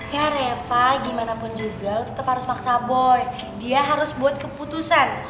ya reva gimanapun juga lo tetep harus maksa boy dia harus buat keputusan